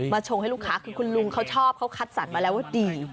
ชงให้ลูกค้าคือคุณลุงเขาชอบเขาคัดสรรมาแล้วว่าดี